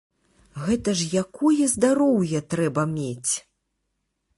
Гэта ж якое здароўе трэба мець!